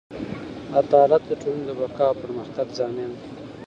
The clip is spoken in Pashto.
عدالت د ټولنې د بقا او پرمختګ ضامن دی.